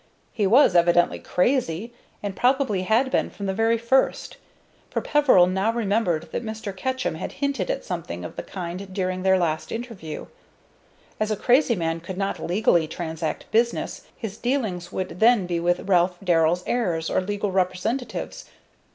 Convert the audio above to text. He was evidently crazy, and probably had been from the very first; for Peveril now remembered that Mr. Ketchum had hinted at something of the kind during their last interview. As a crazy man could not legally transact business, his dealings would then be with Ralph Darrell's heirs or legal representatives.